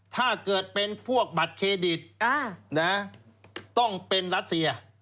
ถ้าเกิดเป็นพวกบัตรเครดิตต้องเป็นรัสเซีย